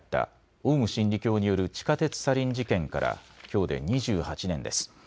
オウム真理教による地下鉄サリン事件からきょうで２８年です。